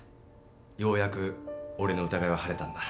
ようやく俺の疑いは晴れたんだ